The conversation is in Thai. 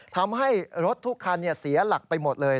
ทำให้รถทุกคันเสียหลักไปหมดเลย